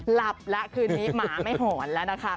หลับแล้วคืนนี้หมาไม่หอนแล้วนะคะ